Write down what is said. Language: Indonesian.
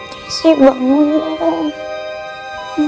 jessy bangun dong